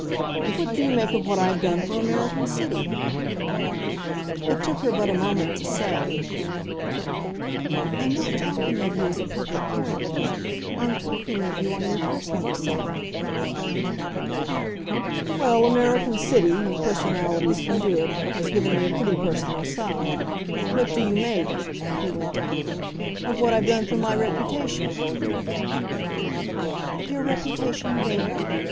"What do you make of what I've done for American City?" It took her but a moment to say. "I'm not talking of you as a public character I'm talking of you on your personal side." "Well, American City if 'personalities' can do it has given me a pretty personal side. What do you make," he went on, "of what I've done for my reputation?" "Your reputation THERE?